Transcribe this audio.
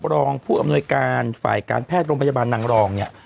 รองผู้อำนวยการฝ่ายการแพทย์โรงพยาบาลนางรองเนี่ย